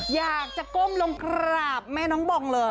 อยากจะก้มลงกราบแม่น้องบองเลย